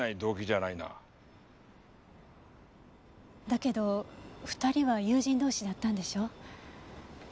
だけど２人は友人同士だったんでしょ。